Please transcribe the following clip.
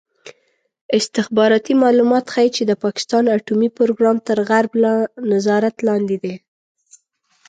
استخباراتي معلومات ښيي چې د پاکستان اټومي پروګرام تر غرب نظارت لاندې دی.